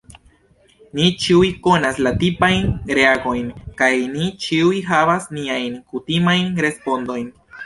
Ni ĉiuj konas la tipajn reagojn, kaj ni ĉiuj havas niajn kutimajn respondojn.